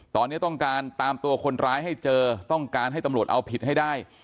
ตอนนี้ต้องการตามตัวคนร้ายให้เจอต้องการให้ตำรวจเอาผิดให้ได้